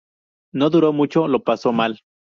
No duró mucho, lo pasó mal.